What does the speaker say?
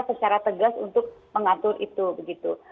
secara tegas untuk mengatur itu begitu